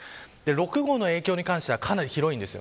６号の影響に関してはかなり広いです。